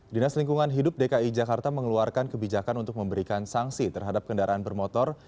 dinas lingkungan hidup dki jakarta mengeluarkan kebijakan untuk memberikan sanksi terhadap kendaraan bermotor